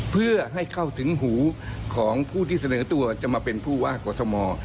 เพื่อให้เข้าถึงหูของผู้ที่เสนอตัวจะมาเป็นผู้ว่ากอทม